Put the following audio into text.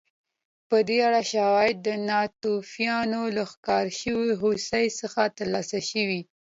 په دې اړه شواهد د ناتوفیانو له ښکار شوې هوسۍ څخه ترلاسه شوي